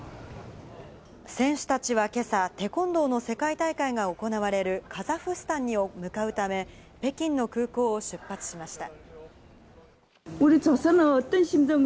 選手たちは今朝、テコンドーの世界大会が行われるカザフスタンに向かうため、北京の空港を出発しました。